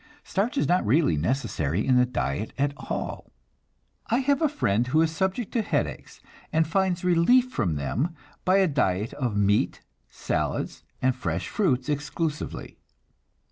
Starch is not really necessary in the diet at all. I have a friend who is subject to headaches, and finds relief from them by a diet of meat, salads, and fresh fruits exclusively.